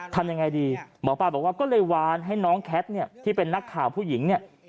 ทำยังไงดีหมอปลาบอกว่าก็เลยวานให้น้องแคทเนี่ยที่เป็นนักข่าวผู้หญิงเนี่ย